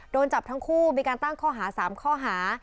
โดนจับทั้งคู่มีการตั้งข้อหา๓ข้อหา